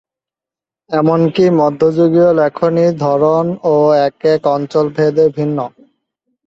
এমন কি মধ্য যুগীয় লেখনী ধরন ও একেক অঞ্চল ভেদে ভিন্ন।